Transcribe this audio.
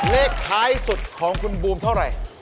เลขท้ายสุดของคุณบูมเท่าไหร่